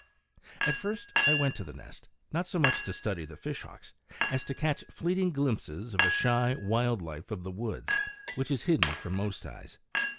At first I went to the nest, not so much to study the fishhawks as to catch fleeting glimpses of a shy, wild life of the woods, which is hidden from most eyes.